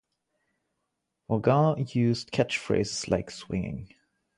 Vaughan used catch-phrases like 'swinging!